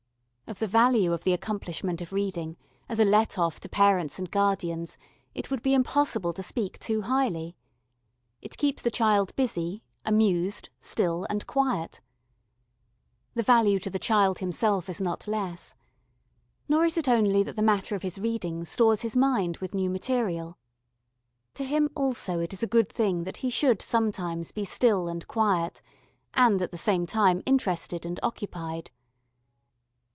Of the value of the accomplishment of reading, as a let off to parents and guardians, it would be impossible to speak too highly. It keeps the child busy, amused, still and quiet. The value to the child himself is not less. Nor is it only that the matter of his reading stores his mind with new material. To him also it is a good thing that he should sometimes be still and quiet, and at the same time interested and occupied.